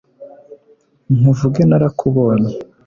nkuvuge narakubonye